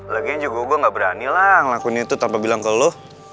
lagi juga gue gak berani lah ngelakuin itu tanpa bilang ke lo